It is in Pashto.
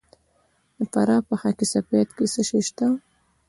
د فراه په خاک سفید کې څه شی شته؟